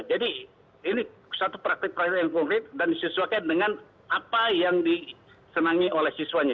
ini satu praktik praktek yang konkret dan disesuaikan dengan apa yang disenangi oleh siswanya